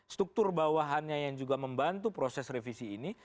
struktur bawahannya yang juga membantu proses revisi ini